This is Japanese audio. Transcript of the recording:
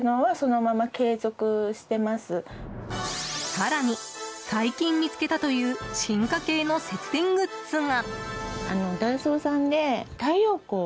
更に、最近見つけたという進化系の節電グッズが。